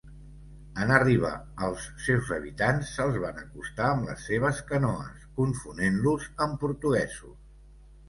En arribar els seus habitants se'ls van acostar amb les seves canoes, confonent-los amb portuguesos.